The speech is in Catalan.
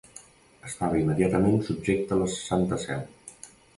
Estava immediatament subjecta a la Santa Seu.